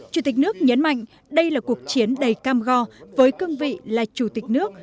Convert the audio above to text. chủ tịch nước nhấn mạnh đây là cuộc chiến đầy cam go với cương vị là chủ tịch nước